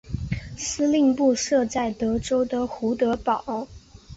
司令部设在德州的胡德堡。